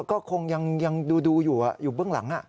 ก็คงยังดูอยู่อยู่เบื้องหลัง